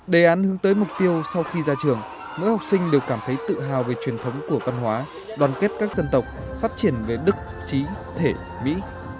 đề án hướng tới mục tiêu sau khi ra trường mỗi học sinh đều cảm thấy tự hào về truyền thống của văn hóa đoàn kết các dân tộc phát triển về đức trí thể mỹ